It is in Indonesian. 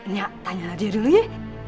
ya tanyalah dia dulu ya